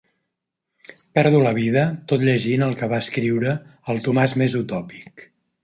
Perdo la vida tot llegint el que va escriure el Tomàs més utòpic.